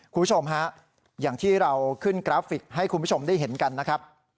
คุณผู้ชมฮะอย่างที่เราขึ้นกราฟิกให้คุณผู้ชมได้เห็นกันนะครับ